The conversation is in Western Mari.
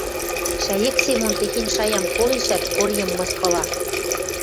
Шӓйӹк Семон техень шаям колешӓт, Корьем мыскыла: